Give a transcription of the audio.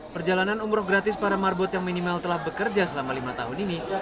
perjalanan umroh gratis para marbot yang minimal telah bekerja selama lima tahun ini